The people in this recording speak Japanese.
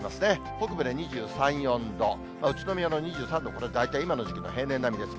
北部で２３、４度、宇都宮の２３度もね、大体今の時期の平年並みです。